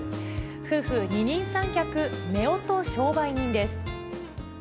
夫婦二人三脚、めおと商売人です。